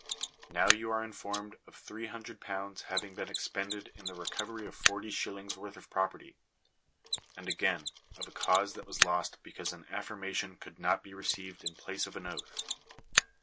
Now you are in formed of J6300 having been expended in the recovery of forty shillings' worth of property ; and again of a cause that was lost because an affirmation could not be received in place of an oath.